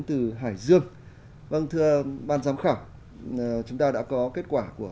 tụi nó đang tắm thôi